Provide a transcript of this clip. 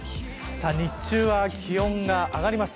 日中は気温が上がります。